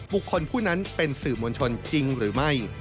บุคคลผู้นั้นเป็นสื่อมวลชนจริงหรือไม่